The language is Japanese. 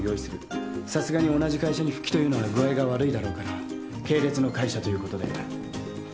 さすがに同じ会社に復帰というのは具合が悪いだろうから系列の会社ということで。